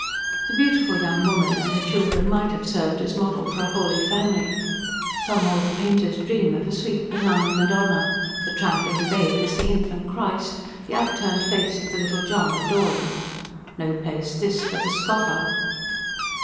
The beautiful young woman and her children might have served as model for a Holy Family some old painter's dream of a sweet benign Madonna; the trampling babe as the infant Christ; the upturned face of the little John adoring. No place this for the scoffer.